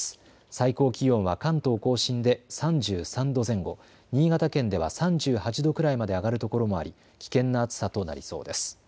最高気温は関東甲信で３３度前後、新潟県では３８度くらいまで上がるところもあり危険な暑さとなりそうです。